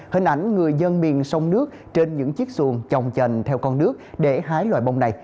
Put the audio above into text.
hình ảnh người dân miền sông nước trên những chiếc xuồng chồng chành theo con nước để hái loài bông này